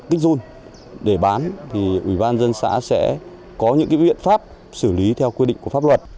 kích run để bán thì ủy ban dân xã sẽ có những biện pháp xử lý theo quy định của pháp luật